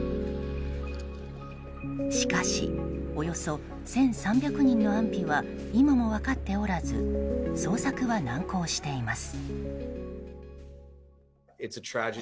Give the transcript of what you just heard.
しかし、およそ１３００人の安否は今も分かっておらず捜索は難航しています。